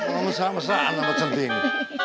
masalah masalahan sama centini